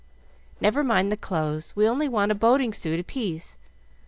"Never mind the clothes, we only want a boating suit apiece.